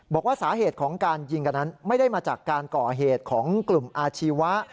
บอกว่าสาเหตุของการยิงกันนั้นไม่ได้มาจากการก่อเหตุของกลุ่มอาชีวะ